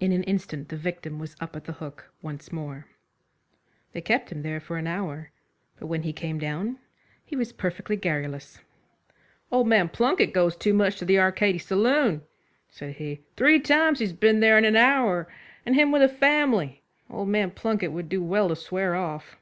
In an instant the victim was up at the hook once more. They kept him there for an hour, but when he came down he was perfectly garrulous. "Old man Plunket goes too much to the Arcady Saloon," said he. "Three times he's been there in an hour; and him with a family. Old man Plunket would do well to swear off."